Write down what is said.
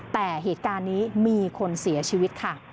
แต่เหตุการณ์นี้มีคนเสียชีวิตค่ะ